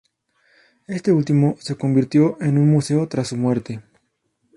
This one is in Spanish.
Este último se convirtió en un museo tras su muerte.